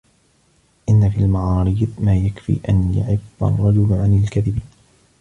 إنَّ فِي الْمَعَارِيضِ مَا يَكْفِي أَنْ يَعِفَّ الرَّجُلَ عَنْ الْكَذِبِ